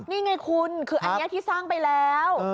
นี่ไงคุณคืออันนี้ที่สร้างไปแล้ว